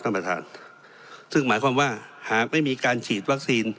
ท่านประธานซึ่งหมายความว่าหากไม่มีการฉีดวัคซีน